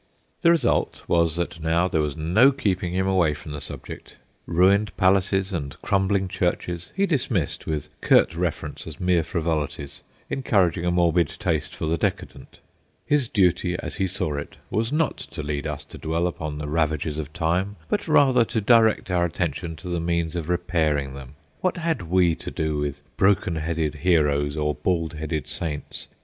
The result was that now there was no keeping him away from the subject. Ruined palaces and crumbling churches he dismissed with curt reference as mere frivolities, encouraging a morbid taste for the decadent. His duty, as he saw it, was not to lead us to dwell upon the ravages of time, but rather to direct our attention to the means of repairing them. What had we to do with broken headed heroes, or bald headed saints?